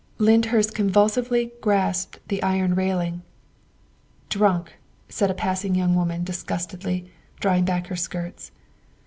Lyndhurst convulsively grasped at the iron railing. " Drunk," said a passing young woman disgustedly, drawing back her skirts.